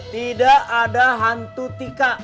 tidak ada hantu tika